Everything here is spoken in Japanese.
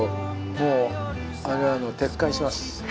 もうあれは撤回します。